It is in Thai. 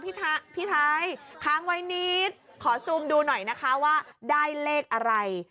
พี่ไทยค้างไว้นิดขอซูมดูหน่อยนะคะว่าได้เลขอะไร